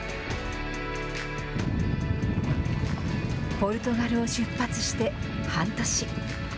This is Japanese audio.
ポルトガルを出発して半年。